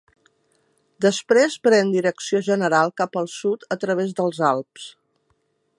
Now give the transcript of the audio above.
Després pren direcció general cap al sud a través dels Alps.